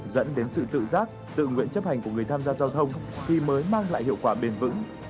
dẫn đến sự tự giác tự nguyện chấp hành của người tham gia giao thông thì mới mang lại hiệu quả bền vững